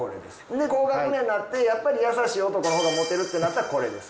で高学年なってやっぱり優しい男の方がモテるってなったらこれです。